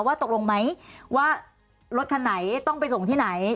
ว่าตกลงไหมว่ารถคันไหนต้องไปส่งที่ไหน